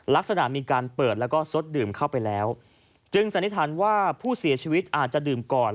ลักษณะมีการเปิดแล้วก็ซดดื่มเข้าไปแล้วจึงสันนิษฐานว่าผู้เสียชีวิตอาจจะดื่มก่อน